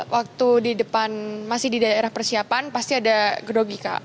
waktu di depan masih di daerah persiapan pasti ada gedogika